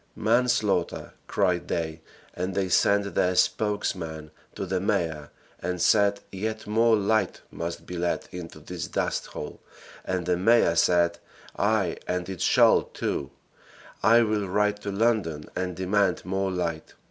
"Manslaughter!" cried they, and they sent their spokesman to the mayor and said yet more light must be let into this dusthole, and the mayor said, "Ay and it shall, too. I will write to London and demand more light."